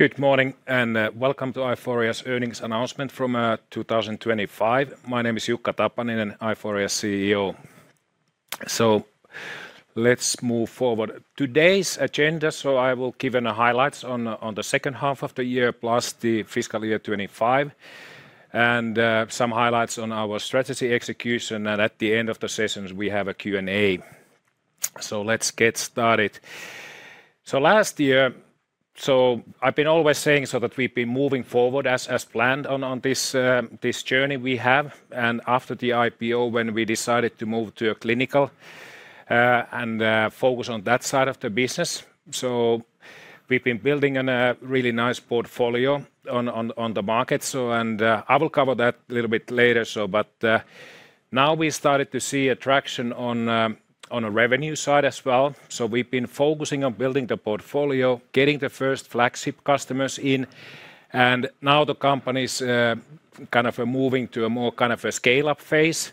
Good morning and welcome to Aiforia Technologies earnings announcement from 2025. My name is Jukka Tapaninen, Aiforia Technologies CEO. Let's move forward. Today's agenda, I will give an highlights on the second half of the year plus the fiscal year 2025. Some highlights on our strategy execution. At the end of the sessions, we have a Q&A. Let's get started. I've been always saying so that we've been moving forward as planned on this journey we have. After the IPO, when we decided to move to a clinical and focus on that side of the business, we've been building a really nice portfolio on the market. I will cover that a little bit later. Now we started to see a traction on a revenue side as well. We've been focusing on building the portfolio, getting the first flagship customers in, and now the company's kind of moving to a more kind of a scale-up phase.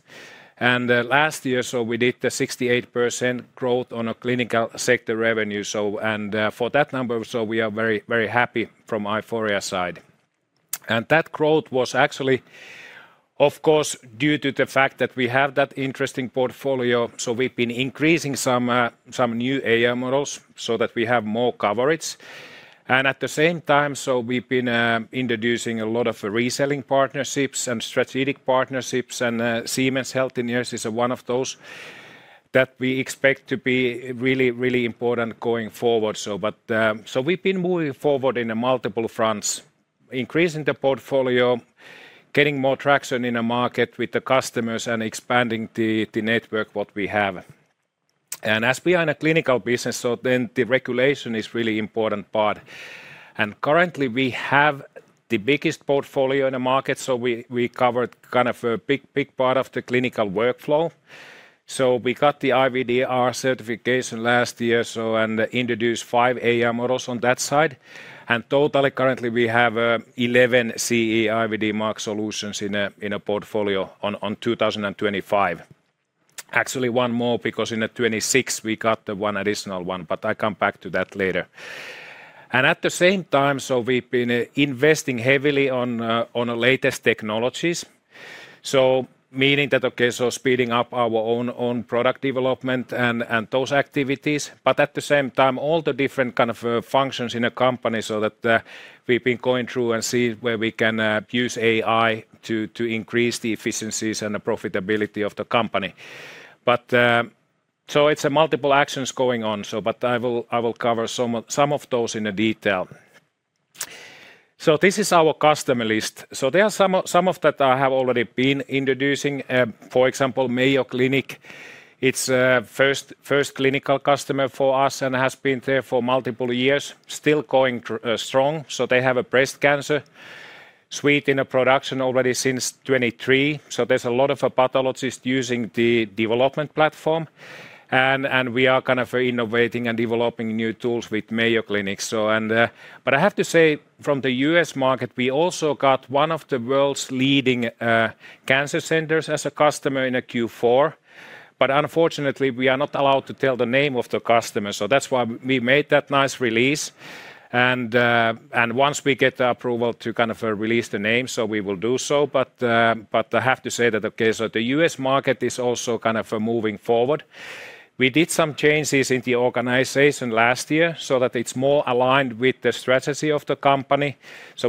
Last year, we did the 68% growth on a clinical sector revenue. For that number, we are very, very happy from Aiforia Technologies side. That growth was actually, of course, due to the fact that we have that interesting portfolio. We've been increasing some new AI models so that we have more coverage. At the same time, we've been introducing a lot of reselling partnerships and strategic partnerships, Siemens Healthineers is one of those that we expect to be really, really important going forward. We've been moving forward in multiple fronts, increasing the portfolio, getting more traction in the market with the customers and expanding the network, what we have. We are in a clinical business, the regulation is really important part. Currently, we have the biggest portfolio in the market. We covered kind of a big part of the clinical workflow. We got the IVDR certification last year and introduced 5 AI models on that side. Totally currently, we have 11 CE IVD mark solutions in a portfolio on 2025. Actually, one more because in the 26, we got the 1 additional one, but I come back to that later. At the same time, we've been investing heavily on the latest technologies. Meaning that speeding up our own product development and those activities, but at the same time, all the different kind of functions in a company that we've been going through and see where we can use AI to increase the efficiencies and the profitability of the company. It's a multiple actions going on. I will cover some of those in a detail. This is our customer list. There are some of that I have already been introducing. For example, Mayo Clinic, it's first clinical customer for us and has been there for multiple years, still going strong. They have a Breast Cancer Suite in a production already since 2023. There's a lot of a pathologist using the development platform. We are kind of innovating and developing new tools with Mayo Clinic. I have to say from the U.S. market, we also got one of the world's leading cancer centers as a customer in a Q4, but unfortunately, we are not allowed to tell the name of the customer. That's why we made that nice release. Once we get the approval to kind of release the name, so we will do so. I have to say that, okay, the U.S. market is also kind of moving forward. We did some changes in the organization last year so that it's more aligned with the strategy of the company.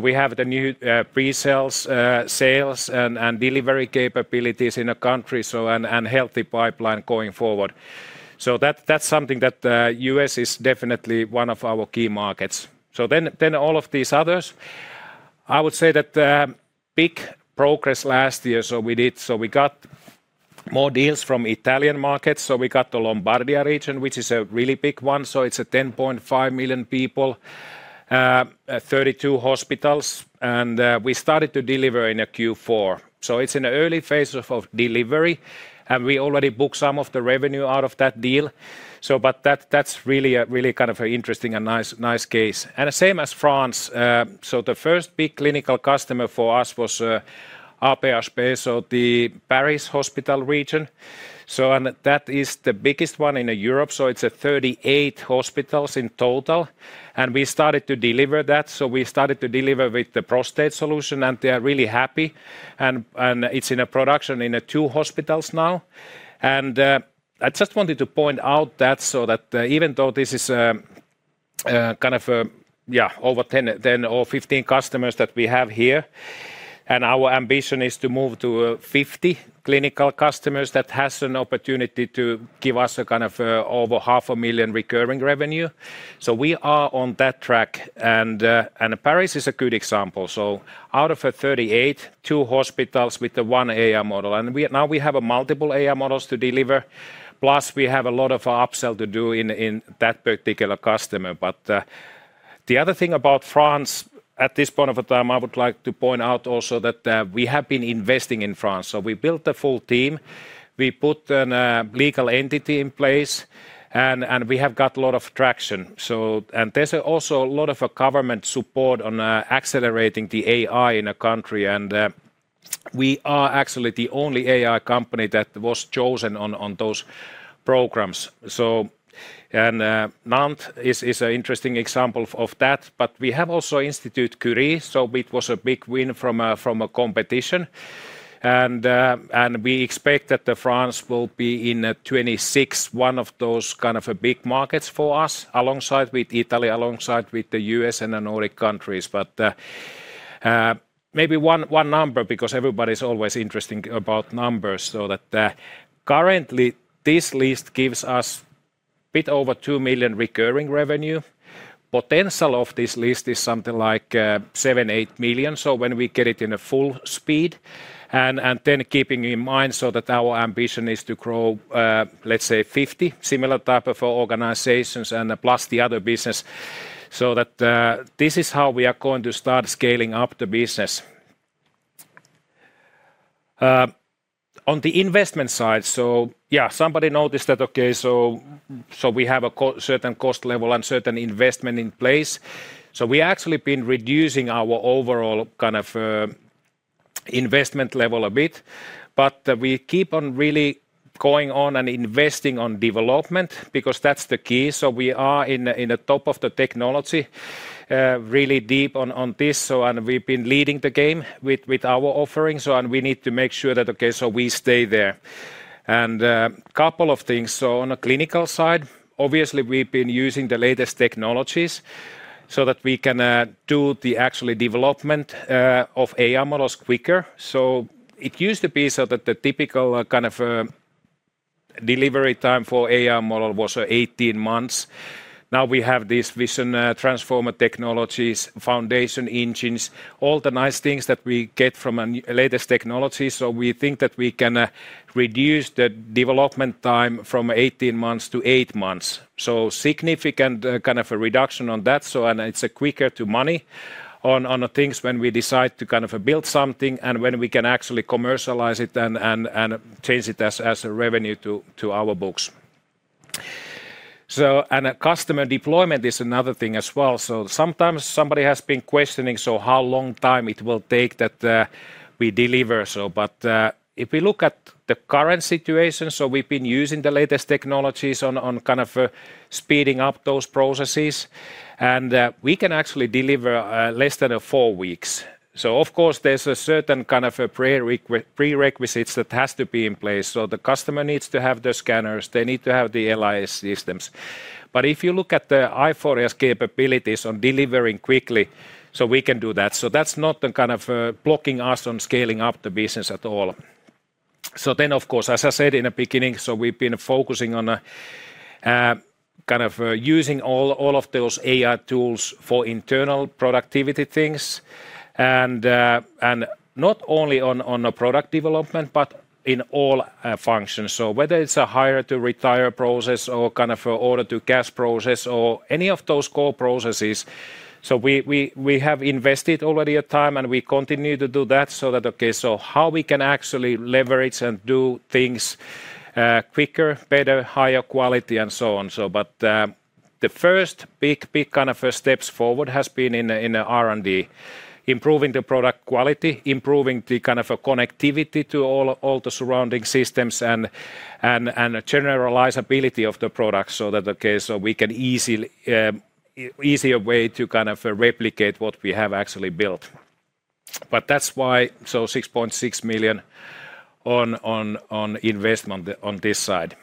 We have the new pre-sales, sales and delivery capabilities in a country, and healthy pipeline going forward. That's something that U.S. is definitely one of our key markets. Then all of these others, I would say that big progress last year. We got more deals from Italian markets. We got the Lombardia region, which is a really big one. It's a 10.5 million 32 hospitals, and we started to deliver in a Q4. It's in the early phase of delivery, and we already booked some of the revenue out of that deal. But that's really a really kind of interesting and nice case. And the same as France. The first big clinical customer for us was AP-HP, so the Paris hospital region. And that is the biggest one in Europe. It's a 38 hospitals in total. We started to deliver that. We started to deliver with the prostate solution, and they are really happy. It's in a production two hospitals now. I just wanted to point out that so that even though this is over 10 or 15 customers that we have here, and our ambition is to move to 50 clinical customers that has an opportunity to give us a kind of, over half a million EUR recurring revenue. We are on that track and Paris is a good example. Out of a 38, two hospitals with the 1 AI model. Now we have a multiple AI models to deliver, plus we have a lot of upsell to do in that particular customer. The other thing about France at this point of a time, I would like to point out also that we have been investing in France. We built a full team, we put an legal entity in place, and we have got a lot of traction. There's also a lot of a government support on accelerating the AI in a country. We are actually the only AI company that was chosen on those programs. Nantes is an interesting example of that, but we have also Institut Curie, so it was a big win from a competition. We expect that the France will be in 2026 one of those kind of a big markets for us alongside with Italy, alongside with the U.S. and the Nordic countries. Maybe 1 number because everybody's always interesting about numbers. Currently this list gives us bit over 2 million recurring revenue. Potential of this list is something like 7 million-8 million. When we get it in a full speed and then keeping in mind that our ambition is to grow, let's say 50 similar type of organizations and plus the other business. This is how we are going to start scaling up the business. On the investment side. Yeah, somebody noticed that, okay. Mm-hmm We have a certain cost level and certain investment in place. We actually been reducing our overall kind of investment level a bit, but we keep on really going on and investing on development because that's the key. We are in a top of the technology, really deep on this. We've been leading the game with our offerings. We need to make sure that, okay, we stay there. Couple of things. On a clinical side, obviously, we've been using the latest technologies so that we can do the actually development of AI models quicker. It used to be so that the typical kind of delivery time for AI model was 18 months. Now we have this Vision Transformer technologies, Foundation Engine engines, all the nice things that we get from a latest technology. We think that we can reduce the development time from 18 months to eight months. Significant, kind of a reduction on that. It's a quicker to money on things when we decide to kind of build something and when we can actually commercialize it and, and change it as a revenue to our books. Customer deployment is another thing as well. Sometimes somebody has been questioning, how long time it will take that we deliver. If we look at the current situation, we've been using the latest technologies on kind of speeding up those processes, and we can actually deliver less than 4 weeks. Of course, there's a certain kind of prerequisites that has to be in place. The customer needs to have the scanners, they need to have the LIS systems. If you look at the Aiforia's capabilities on delivering quickly, so we can do that. That's not the kind of blocking us on scaling up the business at all. Of course, as I said in the beginning, so we've been focusing on kind of using all of those AI tools for internal productivity things and not only on a product development, but in all functions. Whether it's a hire to retire process or kind of order to cash process or any of those core processes. We have invested already a time, and we continue to do that so that, how we can actually leverage and do things quicker, better, higher quality, and so on. The first big kind of steps forward has been in R&D, improving the product quality, improving the kind of a connectivity to all the surrounding systems and generalizability of the product. We can easily easier way to kind of replicate what we have actually built. 6.6 million on investment on this side.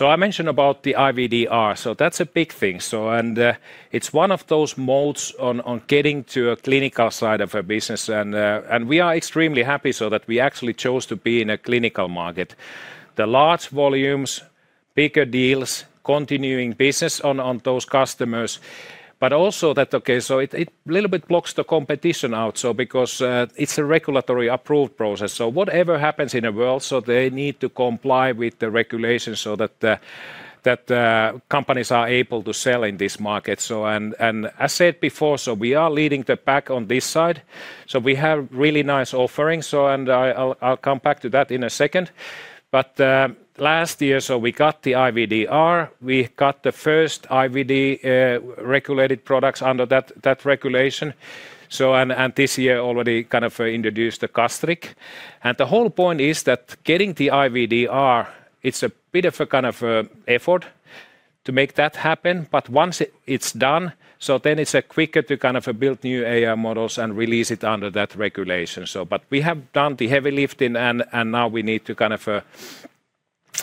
I mentioned about the IVDR, that's a big thing. And it's one of those modes on getting to a clinical side of a business. We are extremely happy so that we actually chose to be in a clinical market. The large volumes, bigger deals, continuing business on those customers, but also that, okay, so it little bit blocks the competition out. Because it's a regulatory approved process. Whatever happens in the world, so they need to comply with the regulations so that companies are able to sell in this market. As said before, so we are leading the pack on this side. We have really nice offerings. I'll come back to that in a second. Last year, so we got the IVDR, we got the first IVD regulated products under that regulation. This year already kind of introduced the Gastric. The whole point is that getting the IVDR, it's a bit of a kind of a effort to make that happen. Once it's done, it's a quicker to kind of build new AI models and release it under that regulation. We have done the heavy lifting and now we need to kind of,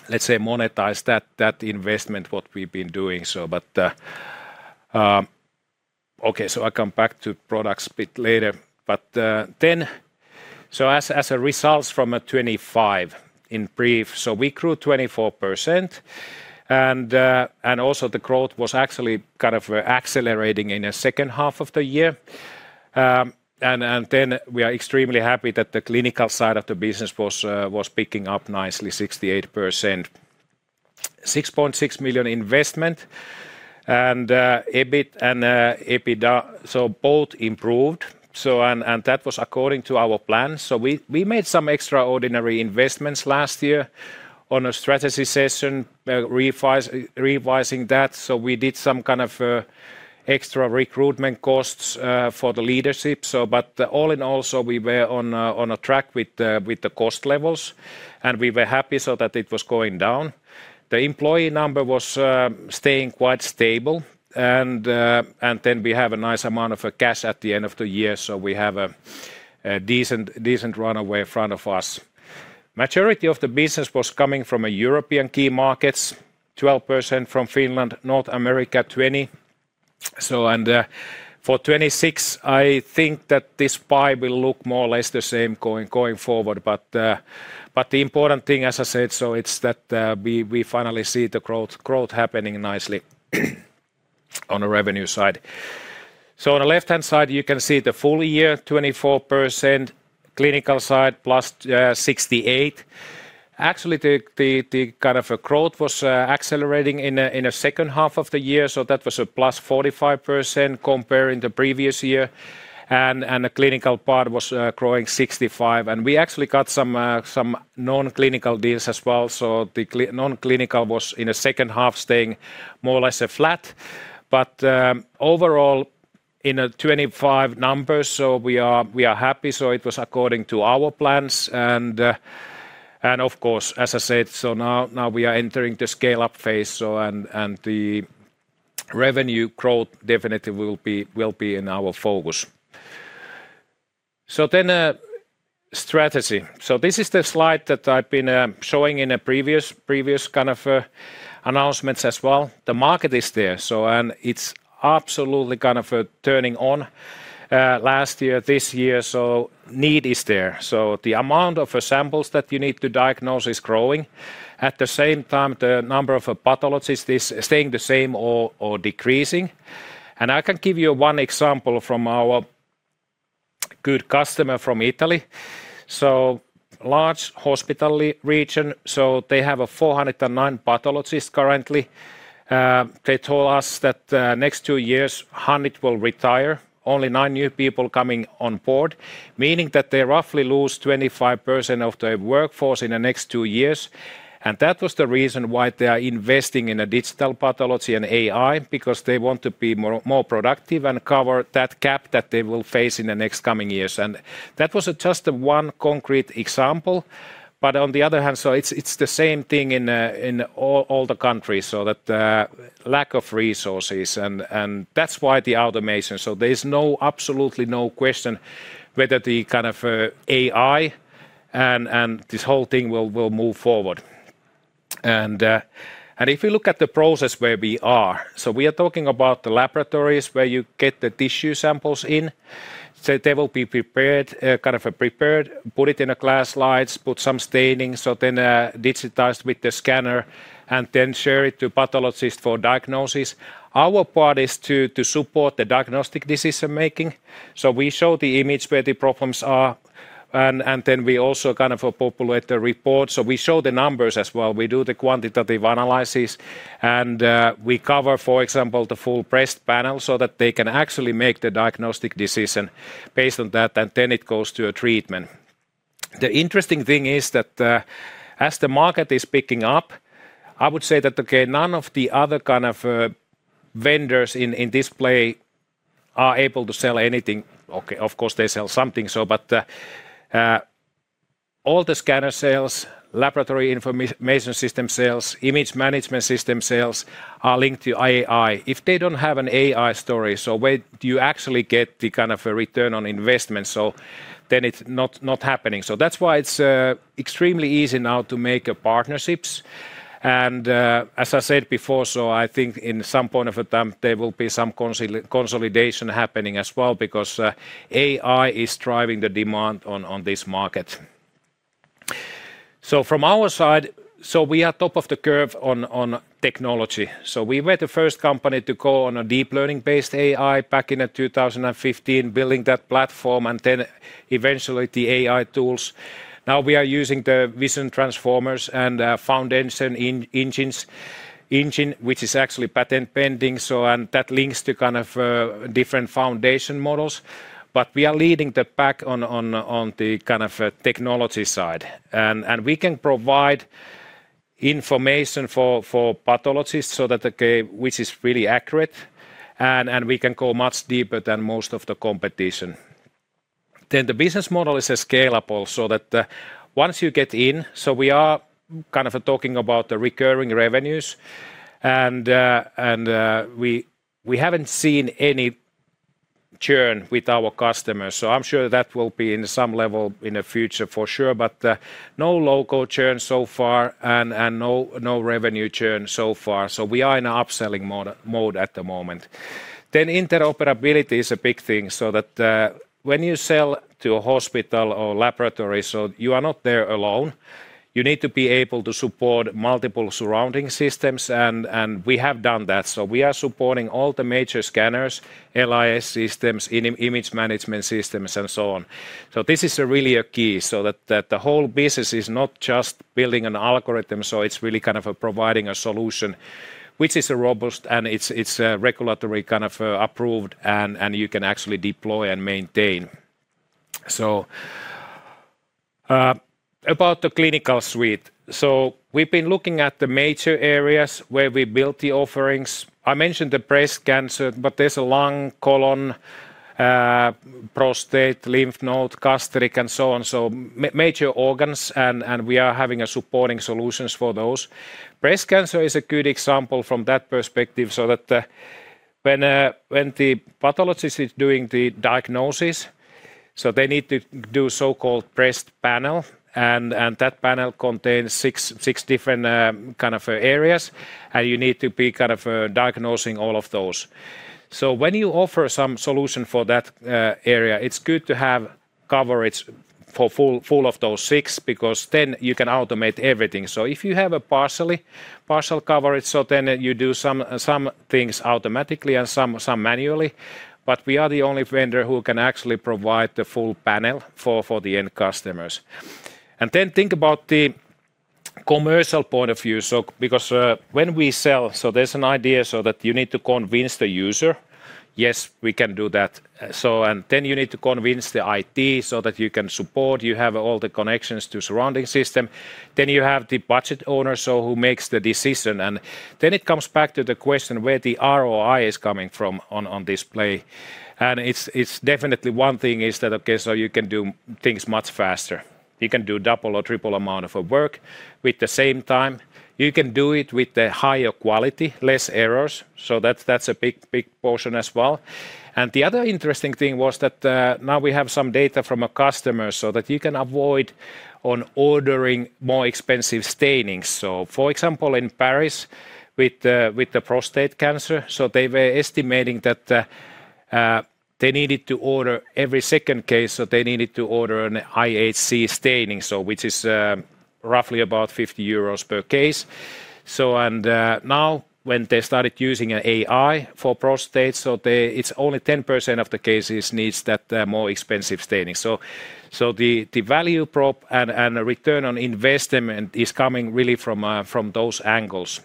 let's say, monetize that investment, what we've been doing so. Okay, I come back to products bit later. Then as a results from a 25 in brief, we grew 24% and also the growth was actually kind of accelerating in the second half of the year. We are extremely happy that the clinical side of the business was picking up nicely 68%, 6.6 million investment and EBIT and EBITDA, both improved. That was according to our plan. We made some extraordinary investments last year. On a strategy session, revising that. We did some kind of extra recruitment costs for the leadership. All in all, we were on a track with the cost levels, we were happy that it was going down. The employee number was staying quite stable. We have a nice amount of cash at the end of the year, we have a decent runway in front of us. Majority of the business was coming from a European key markets, 12% from Finland, North America, 20%. For 2026, I think that this pie will look more or less the same going forward. The important thing, as I said, it's that we finally see the growth happening nicely on the revenue side. On the left-hand side, you can see the full year, 24%. Clinical side, +68%. Actually, the kind of growth was accelerating in the second half of the year, that was a +45% comparing the previous year. The clinical part was growing 65%. We actually got some non-clinical deals as well. The non-clinical was, in the second half, staying more or less flat. Overall, in the 25 numbers, so we are happy. It was according to our plans. Of course, as I said, so now we are entering the scale-up phase. And the revenue growth definitely will be in our focus. Strategy. This is the slide that I've been, showing in a previous kind of, announcements as well. The market is there, and it's absolutely kind of, turning on, last year, this year, so need is there. The amount of samples that you need to diagnose is growing. At the same time, the number of pathologists is staying the same or decreasing. I can give you one example from our good customer from Italy. Large hospital re-region, they have 409 pathologists currently. They told us that next 2 years, 100 will retire, only nine new people coming on board, meaning that they roughly lose 25% of their workforce in the next 2 years. That was the reason why they are investing in digital pathology and AI, because they want to be more, more productive and cover that gap that they will face in the next coming years. That was just one concrete example. On the other hand, it's the same thing in all the countries. That lack of resources and that's why the automation. There's absolutely no question whether the kind of AI and this whole thing will move forward. If you look at the process where we are, we are talking about the laboratories where you get the tissue samples in. They will be prepared, kind of prepared, put it in a glass slides, put some staining, then digitized with the scanner and then share it to pathologist for diagnosis. Our part is to support the diagnostic decision-making. We show the image where the problems are, and then we also kind of populate the report. We show the numbers as well. We do the quantitative analysis, and we cover, for example, the full breast panel so that they can actually make the diagnostic decision based on that, and then it goes to a treatment. The interesting thing is that as the market is picking up, I would say that, okay, none of the other kind of vendors in display are able to sell anything. Of course, they sell something. All the scanner sales, Laboratory Information System sales, Image Management System sales are linked to AI. If they don't have an AI story, where do you actually get the kind of a return on investment? Then it's not happening. That's why it's extremely easy now to make partnerships. As I said before, I think in some point of a time, there will be some consolidation happening as well because AI is driving the demand on this market. From our side, we are top of the curve on technology. We were the first company to go on a deep learning-based AI back in 2015, building that platform and then eventually the AI tools. Now we are using the Vision Transformers and Foundation Engine, which is actually patent pending. That links to kind of different foundation models. We are leading the pack on the kind of technology side. We can provide information for pathologists so that, okay, which is really accurate, and we can go much deeper than most of the competition. The business model is scalable so that once you get in. We are kind of talking about the recurring revenues, and we haven't seen any churn with our customers. I'm sure that will be in some level in the future for sure. no local churn so far and no revenue churn so far. We are in upselling mode at the moment. Interoperability is a big thing so that when you sell to a hospital or laboratory, so you are not there alone. You need to be able to support multiple surrounding systems, and we have done that. We are supporting all the major scanners, LIS systems, Image Management Systems, and so on. This is really a key so that the whole business is not just building an algorithm. It's really kind of providing a solution which is robust and it's regulatory kind of approved and you can actually deploy and maintain. About the clinical suite. We've been looking at the major areas where we built the offerings. I mentioned the breast cancer, there's a lung, colon, prostate, lymph node, gastric, and so on. Major organs, we are having supporting solutions for those. Breast cancer is a good example from that perspective, when the pathologist is doing the diagnosis, they need to do so-called breast panel, that panel contains six different kind of areas, and you need to be kind of diagnosing all of those. When you offer some solution for that area, it's good to have coverage for full of those six because then you can automate everything. If you have a partial coverage, then you do some things automatically and some manually. We are the only vendor who can actually provide the full panel for the end customers. Think about the commercial point of view. Because there's an idea so that you need to convince the user, "Yes, we can do that." You need to convince the IT so that you can support, you have all the connections to surrounding system. You have the budget owner, so who makes the decision. It comes back to the question where the ROI is coming from on this play. It's definitely one thing is that, okay, so you can do things much faster. You can do double or triple amount of work with the same time. You can do it with a higher quality, less errors. That's a big portion as well. The other interesting thing was that, now we have some data from a customer so that you can avoid on ordering more expensive staining. For example, in Paris with the prostate cancer, they were estimating that they needed to order every second case, they needed to order an IHC staining, which is roughly about 50 euros per case. Now when they started using an AI for prostate, it's only 10% of the cases needs that more expensive staining. The value prop and ROI is coming really from those angles.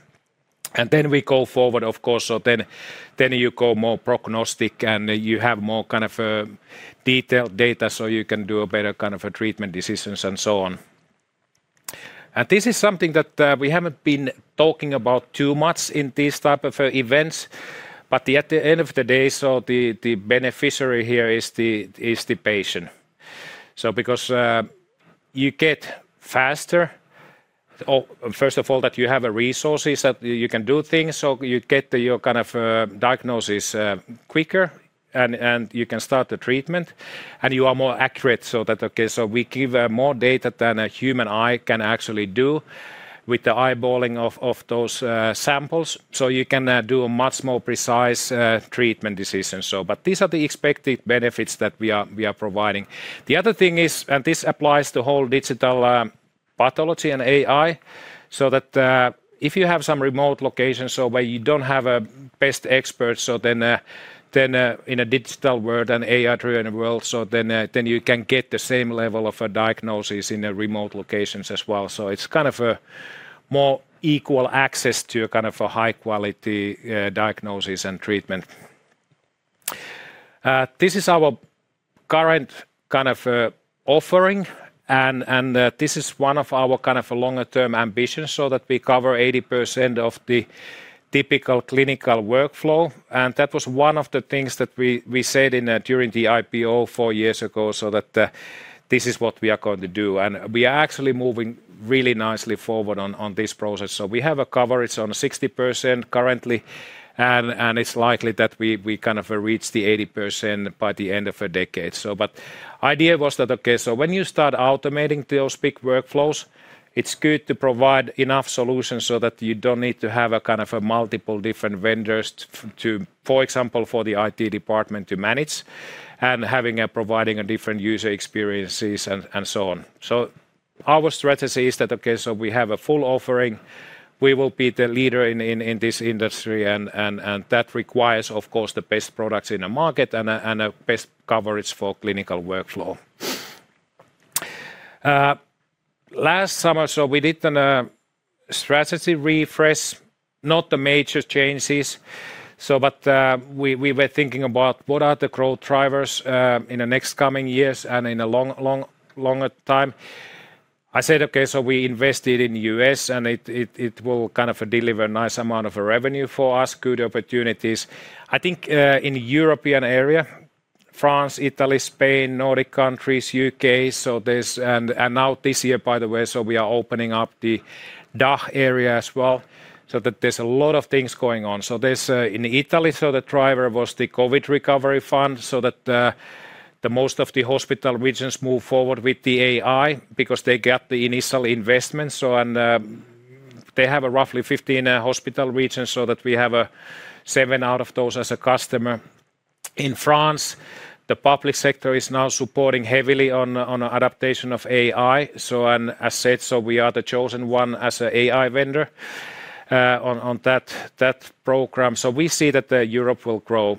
We go forward, of course, so then you go more prognostic and you have more kind of detailed data, so you can do a better kind of a treatment decisions and so on. This is something that we haven't been talking about too much in these type of events. At the end of the day, so the beneficiary here is the patient. Because you get faster, first of all that you have resources that you can do things, so you get your kind of diagnosis quicker and you can start the treatment, and you are more accurate so that, okay, so we give more data than a human eye can actually do with the eyeballing of those samples. You can do a much more precise treatment decision. These are the expected benefits that we are providing. The other thing is, and this applies to whole digital pathology and AI, so that, if you have some remote location, so where you don't have a best expert, so then, in a digital world and AI driven world, so then, you can get the same level of a diagnosis in the remote locations as well. It's kind of a more equal access to kind of a high quality diagnosis and treatment. This is our current kind of offering and this is one of our kind of a longer term ambition, so that we cover 80% of the typical clinical workflow. That was one of the things that we said in during the IPO four years ago, so that this is what we are going to do. We are actually moving really nicely forward on this process. We have a coverage on 60% currently, and it's likely that we kind of reach the 80% by the end of a decade. Idea was that, okay, so when you start automating those big workflows, it's good to provide enough solutions so that you don't need to have a kind of a multiple different vendors to, for example, for the I.T. department to manage and having and providing different user experiences and so on. Our strategy is that, okay, so we have a full offering. We will be the leader in this industry and that requires, of course, the best products in the market and a best coverage for clinical workflow. Last summer, we did a strategy refresh, not the major changes. But we were thinking about what are the growth drivers in the next coming years and in a long, longer time. I said, okay, we invested in U.S., and it will kind of deliver nice amount of revenue for us, good opportunities. I think, in European area, France, Italy, Spain, Nordic countries, U.K., there's and now this year, by the way, we are opening up the DACH area as well, that there's a lot of things going on. There's in Italy, so the driver was the COVID Recovery Fund, so that the most of the hospital regions move forward with the AI because they get the initial investments. They have a roughly 15 hospital regions so that we have seven out of those as a customer. In France, the public sector is now supporting heavily on adaptation of AI. As said, so we are the chosen one as an AI vendor on that program. We see that Europe will grow.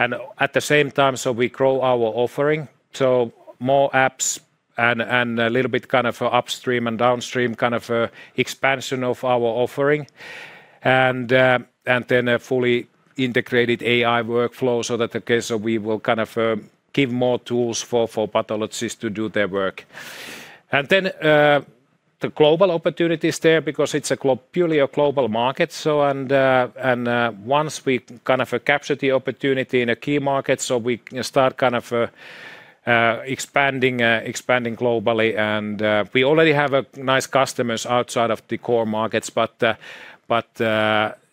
At the same time, so we grow our offering, so more apps and a little bit kind of upstream and downstream kind of expansion of our offering. Then a fully integrated AI workflow so that we will kind of give more tools for pathologists to do their work. The global opportunities there because it's a purely global market. Once we kind of capture the opportunity in a key market, we start kind of expanding globally. We already have nice customers outside of the core markets,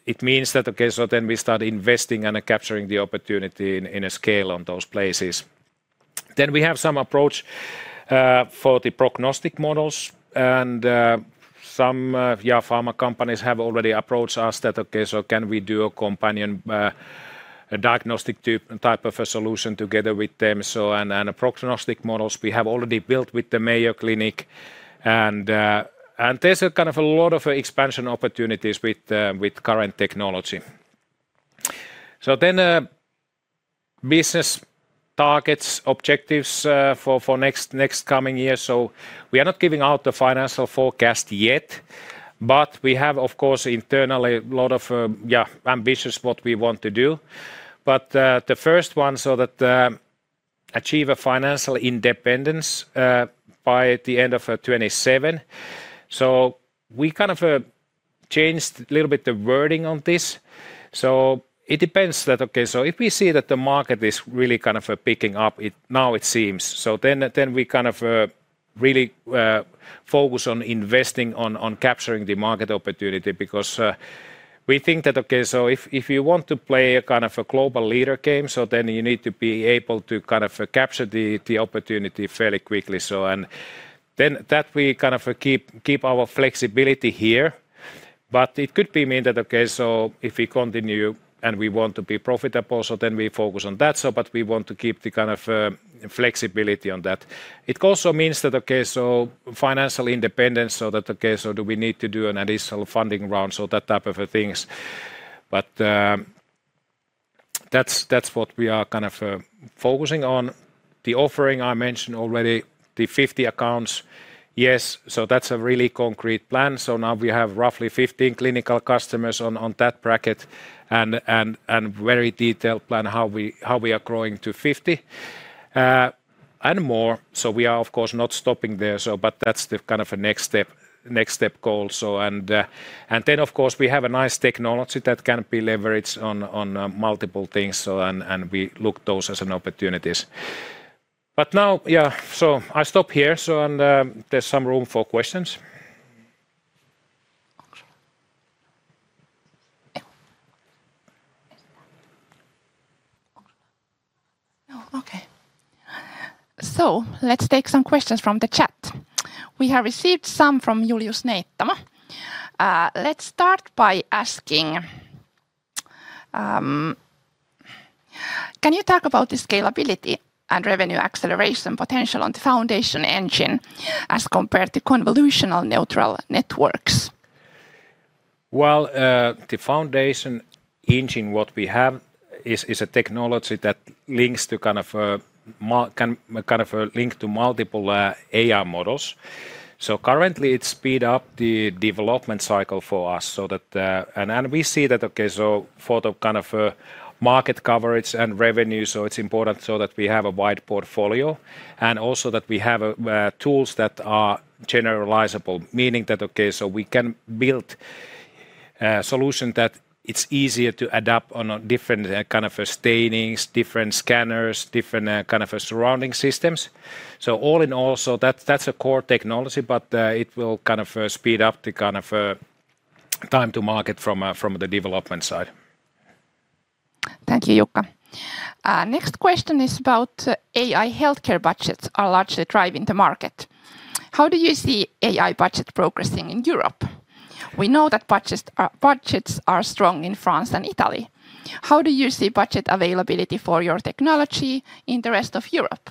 it means that then we start investing and capturing the opportunity in a scale on those places. We have some approach for the prognostic models and some pharma companies have already approached us that can we do a companion diagnostic type of a solution together with them. Prognostic models we have already built with the Mayo Clinic and there's a kind of a lot of expansion opportunities with current technology. Business targets, objectives for next coming year. We are not giving out the financial forecast yet, but we have, of course, internally a lot of, yeah, ambitions what we want to do. The first one so that achieve a financial independence by the end of 2027. We kind of changed a little bit the wording on this. It depends that, okay, so if we see that the market is really kind of picking up, now it seems, so then we kind of really focus on investing on capturing the market opportunity because we think that, okay, so if you want to play a kind of a global leader game, so then you need to be able to kind of capture the opportunity fairly quickly. And then that we kind of keep our flexibility here, but it could be mean that, okay, so if we continue and we want to be profitable, so then we focus on that. But we want to keep the kind of flexibility on that. It also means that, okay, so financial independence, so that, okay, so do we need to do an additional funding round, so that type of things. That's what we are kind of focusing on. The offering I mentioned already, the 50 accounts. Yes. That's a really concrete plan. Now we have roughly 15 clinical customers on that bracket and very detailed plan how we are growing to 50 and more. We are, of course, not stopping there. That's the kind of a next step goal. Of course we have a nice technology that can be leveraged on multiple things. We look those as an opportunities. Now, yeah, I stop here. There's some room for questions. Okay. let's take some questions from the chat. We have received some from Julius Neittaanmäki. let's start by asking, can you talk about the scalability and revenue acceleration potential on the Foundation Engine as compared to convolutional neural networks? Well, the Foundation Engine, what we have is a technology that links to kind of a link to multiple, AI models. Currently, it speed up the development cycle for us so that. We see that, okay, so for the kind of, market coverage and revenue, so it's important so that we have a wide portfolio, and also that we have, tools that are generalizable, meaning that, okay, so we can build a solution that it's easier to adapt on a different kind of stainings, different scanners, different, kind of surrounding systems. All in all, so that's a core technology, but, it will kind of speed up the kind of, time to market from the development side. Thank you, Jukka. Next question is about AI healthcare budgets are largely driving the market. How do you see AI budget progressing in Europe? We know that budgets are strong in France and Italy. How do you see budget availability for your technology in the rest of Europe?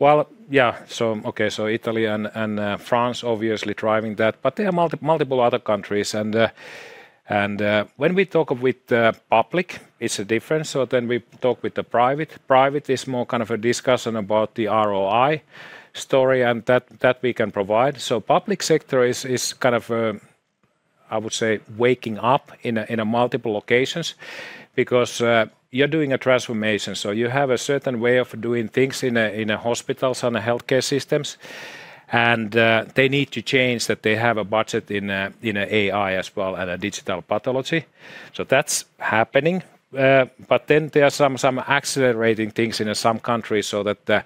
Well, yeah. Okay, so Italy and France obviously driving that, but there are multiple other countries. When we talk with public, it's different. Then we talk with the private. Private is more kind of a discussion about the ROI story and that we can provide. Public sector is kind of, I would say, waking up in multiple locations because you're doing a transformation. You have a certain way of doing things in hospitals and healthcare systems, and they need to change that they have a budget in AI as well and digital pathology. That's happening. There are some accelerating things in some countries so that,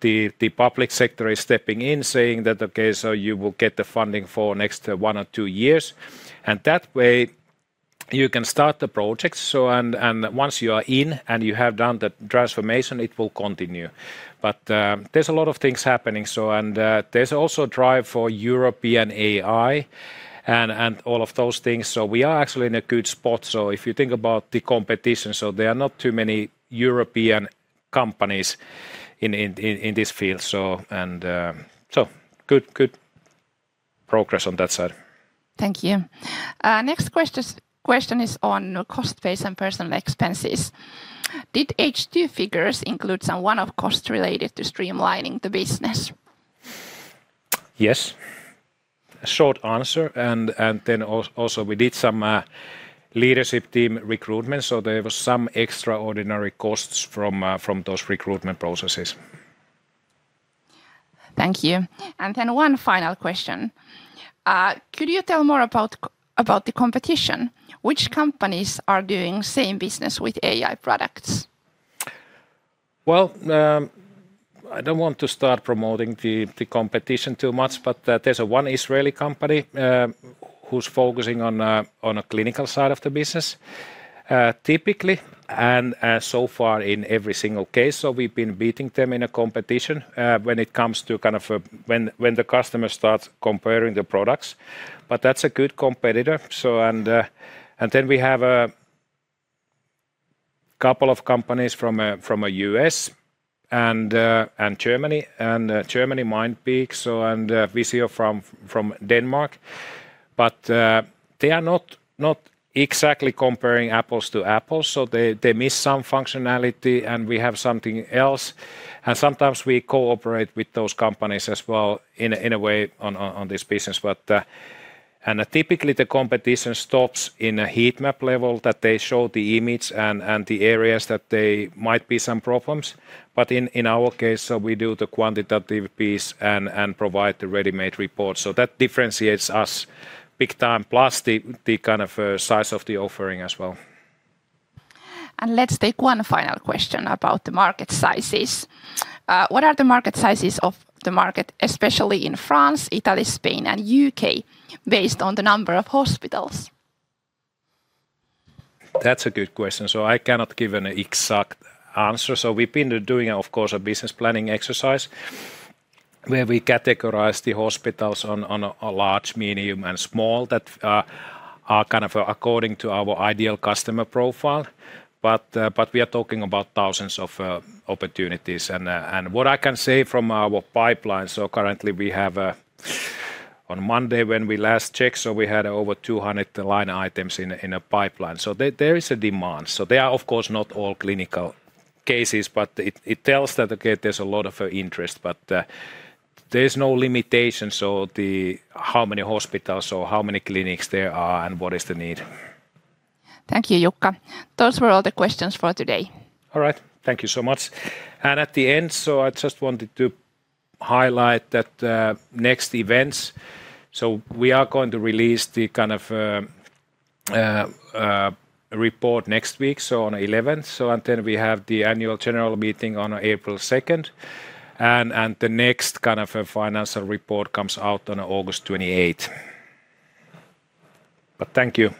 the public sector is stepping in saying that, "Okay, so you will get the funding for next 1 or 2 years." That way you can start the project. Once you are in and you have done the transformation, it will continue. There's a lot of things happening. There's also drive for European AI and all of those things. We are actually in a good spot. If you think about the competition, there are not too many European companies in this field. Good Progress on that side. Thank you. Next question is on cost base and personal expenses. Did H2 figures include some one-off costs related to streamlining the business? Yes. Short answer. Also we did some leadership team recruitment, so there was some extraordinary costs from those recruitment processes. Thank you. One final question. Could you tell more about the competition? Which companies are doing same business with AI products? I don't want to start promoting the competition too much, but there's a one Israeli company who's focusing on a, on a clinical side of the business, typically, and so far in every single case. We've been beating them in a competition when it comes to kind of when the customer starts comparing the products, but that's a good competitor. Then we have a couple of companies from U.S. and Germany. Germany Mindpeak, Visiopharm Denmark, but they are not exactly comparing apples to apples, so they miss some functionality and we have something else. Sometimes we cooperate with those companies as well in a way on this business. Typically the competition stops in a heat map level that they show the image and the areas that they might be some problems. In our case, we do the quantitative piece and provide the readymade report. That differentiates us big time, plus the kind of size of the offering as well. Let's take one final question about the market sizes. What are the market sizes of the market, especially in France, Italy, Spain, and U.K. based on the number of hospitals? That's a good question. I cannot give an exact answer. We've been doing of course a business planning exercise where we categorize the hospitals on a large, medium, and small that are kind of according to our ideal customer profile. We are talking about thousands of opportunities. What I can say from our pipeline, On Monday when we last checked, we had over 200 line items in a pipeline. There is a demand. They are of course not all clinical cases, but it tells that, okay, there's a lot of interest. There's no limitations or the how many hospitals or how many clinics there are and what is the need. Thank you, Jukka. Those were all the questions for today. All right. Thank you so much. At the end, so I just wanted to highlight that next events. We are going to release the kind of report next week, so on 11th. Then we have the annual general meeting on April 2nd, and the next kind of a financial report comes out on August 28th. Thank you